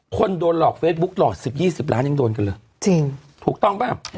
คนโดนหลอกเฟซบุ๊กหลอดสิบยี่สิบล้านยังโดนกันเลยจริงถูกต้องป่ะ